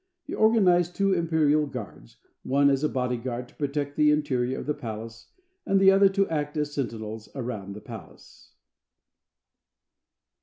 He organized two imperial guards, one as a body guard to protect the interior of the palace, and the other to act as sentinels around the palace.